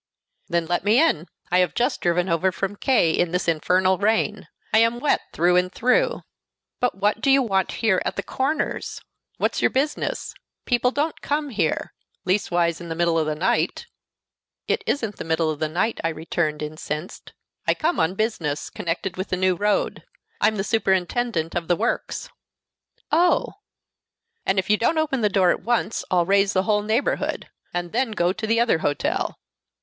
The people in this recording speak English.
"Then let me in. I have just driven over from K in this infernal rain. I am wet through and through." "But what do you want here, at the Corners? What's your business? People don't come here, leastways in the middle of the night." "It isn't in the middle of the night," I returned, incensed. "I come on business connected with the new road. I'm the superintendent of the works." "Oh!" "And if you don't open the door at once, I'll raise the whole neighborhood and then go to the other hotel."